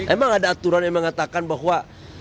emang ada aturan yang mengatakan bahwa